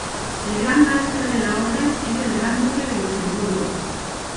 El gran maestre de la orden es el Gran Duque de Luxemburgo.